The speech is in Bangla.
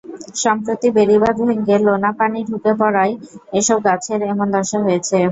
সম্প্রতি বেড়িবাঁধ ভেঙে লোনা পানি ঢুকে পড়ায় এসব গাছের এমন দশা হয়েছে।